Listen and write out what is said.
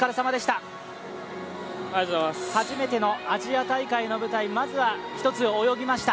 初めてのアジア大会の舞台、まずは１つ泳ぎました。